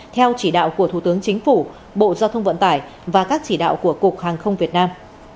theo chỉ đạo của thủ tướng chính phủ bộ giao thông vận tải và các chỉ đạo của cục hàng không việt nam